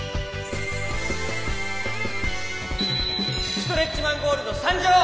ストレッチマン・ゴールドさんじょう！